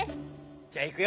じゃあいくよ。